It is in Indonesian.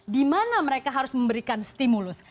dimana mereka harus memberikan stimulus